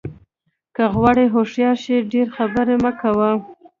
که غواړې هوښیار شې ډېرې خبرې مه کوه.